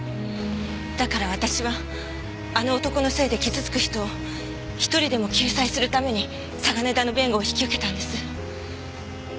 だから私はあの男のせいで傷つく人を１人でも救済するために嵯峨根田の弁護を引き受けたんです。